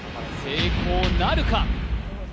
成功なるか？